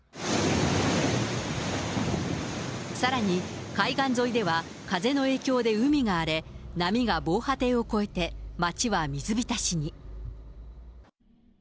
さらに、海岸沿いでは、風の影響で海が荒れ、波が防波堤を越えて町は水浸しに。